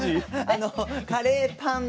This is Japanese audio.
あのカレーパン。